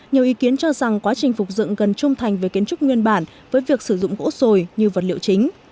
nhiều ý kiến cho rằng quá trình phục dựng cần trung thành về kiến trúc nguyên bản với việc sử dụng gỗ sồi như vật liệu chính